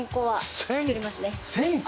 １０００個？